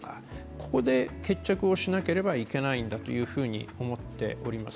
ここで決着をしなければいけないんだと思っております。